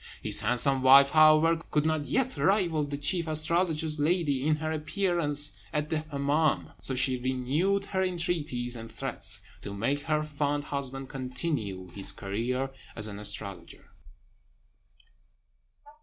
His handsome wife, however, could not yet rival the chief astrologer's lady in her appearance at the Hemmâm, so she renewed her entreaties and threats, to make her fond husband continue his career as an astrologer.